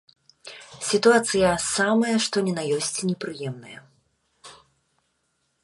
Сітуацыя самая што ні на ёсць непрыемная.